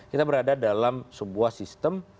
kita berada dalam sebuah sistem